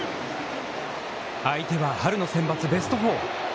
相手はセンバツベスト４。